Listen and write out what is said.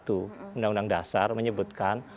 undang undang dasar menyebutkan